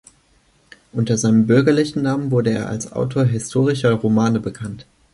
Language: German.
Unter seinem bürgerlichen Namen wurde er als Autor historischer Romane bekannt.